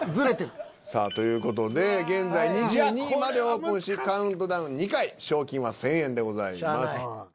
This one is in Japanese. さあという事で現在２２位までオープンしカウントダウン２回賞金は１，０００円でございます。